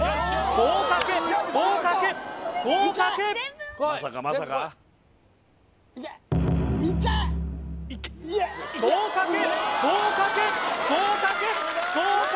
合格合格合格合格！